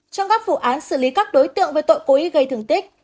trong các vụ án xử lý các đối tượng với tội cố ý gây thường tích